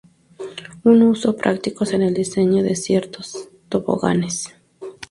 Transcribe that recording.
Un uso práctico es el diseño de ciertos toboganes.